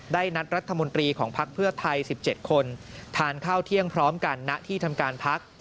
ได้นัดรัฐมนตรีของพักเพื่อไทย๑๗คนทานข้าวเที่ยงพร้อมกันณที่ทำการพัก